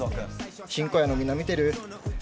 新小岩のみんな、見てる？